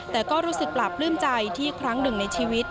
แต่ก็รู้สึกปราบปลื้มใจที่ครั้งหนึ่งในชีวิต